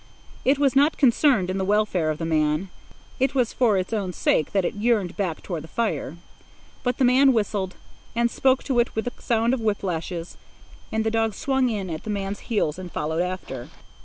It was not concerned in the welfare of the man; it was for its own sake that it yearned back toward the fire. But the man whistled, and spoke to it with the sound of whip lashes, and the dog swung in at the man's heels and followed after.